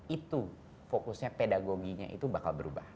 itu fokusnya pedagoginya itu bakal berubah